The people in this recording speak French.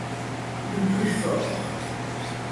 Le plus fort